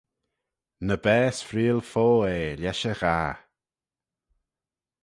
Ny baase freayl fo eh lesh e ghah.